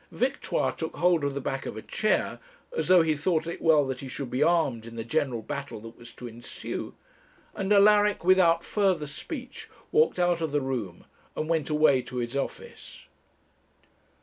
Victoire took hold of the back of a chair, as though he thought it well that he should be armed in the general battle that was to ensue; and Alaric, without further speech, walked out of the room, and went away to his office.